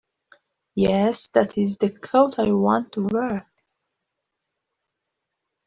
Yes, that IS the coat I want to wear.